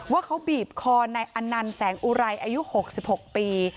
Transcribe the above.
ว่าเขาบีบคอในอนันต์แสงอุไรอายุ๖๖ปี